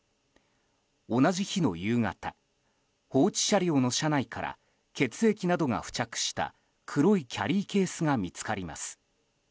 同じ日の夕方放置車両の車内から血液などが付着した、黒いキャリーケースが見つかります。